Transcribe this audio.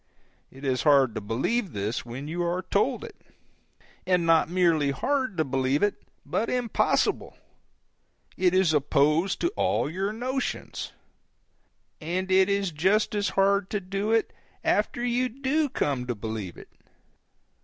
It is hard to believe this, when you are told it. And not merely hard to believe it, but impossible; it is opposed to all your notions. And it is just as hard to do it, after you do come to believe it.